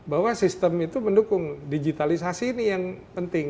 bahwa sistem itu mendukung digitalisasi ini yang penting